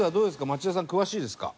町田さん詳しいですか？